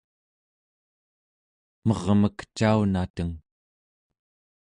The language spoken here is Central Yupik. mermek caunateng